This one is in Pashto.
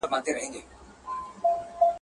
که بل څوک پر تا مین وي د خپل ځان لري غوښتنه.